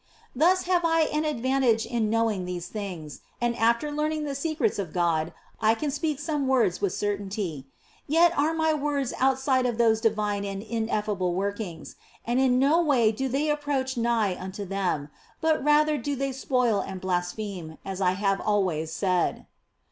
Thus have I an advantage in know ing these things, and after learning the secrets of God I can speak some few words with certainty ; yet are my words outside of those divine and ineffable workings, and in no way do they approach nigh unto them, but rather do they spoil and blaspheme, as I have always said.